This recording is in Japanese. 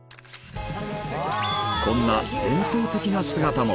こんな幻想的な姿も。